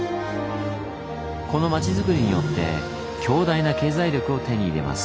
この町づくりによって強大な経済力を手に入れます。